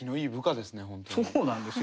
そうなんですよ。